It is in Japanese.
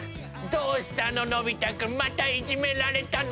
「どうしたののび太くんまたいじめられたの？」